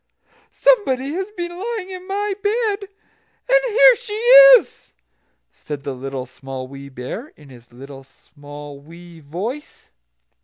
"SOMEBODY HAS BEEN LYING IN MY BED, AND HERE SHE IS!" said the Little Small Wee Bear, in his little, small, wee voice.